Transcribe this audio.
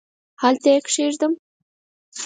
هلته یې کښېږدم ؟؟